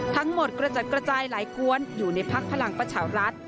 กระจัดกระจายหลายกวนอยู่ในพักพลังประชารัฐ